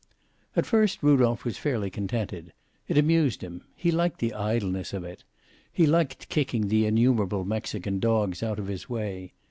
At first Rudolph was fairly contented. It amused him. He liked the idleness of it. He liked kicking the innumerable Mexican dogs out of his way.